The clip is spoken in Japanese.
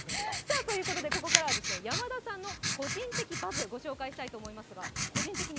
ここからは山田さんの個人的バズ、ご紹介したいと思います。